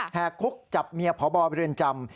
แหกคุกจับเมียพ่อบอบริเวณจำ